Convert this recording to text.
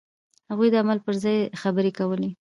هغوی د عمل پر ځای خبرې کولې.